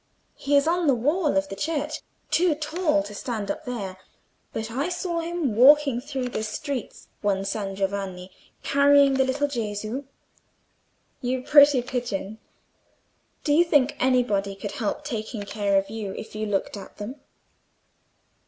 He is on the wall of the church—too tall to stand up there—but I saw him walking through the streets one San Giovanni, carrying the little Gesu." "You pretty pigeon! Do you think anybody could help taking care of you, if you looked at them?"